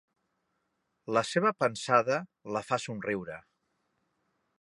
La seva pensada la fa somriure.